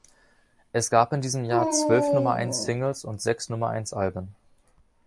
Es gab in diesem Jahr zwölf Nummer-eins-Singles und sechs Nummer-eins-Alben.